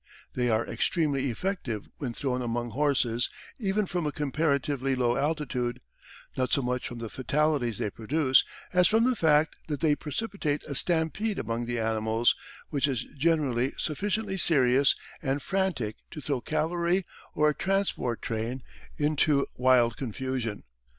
They are extremely effective when thrown among horses even from a comparatively low altitude, not so much from the fatalities they produce, as from the fact that they precipitate a stampede among the animals, which is generally sufficiently serious and frantic to throw cavalry or a transport train into wild confusion.